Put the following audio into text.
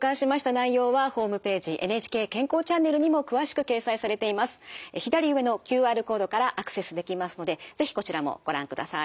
今ご紹介しました内容は左上のＱＲコードからアクセスできますので是非こちらもご覧ください。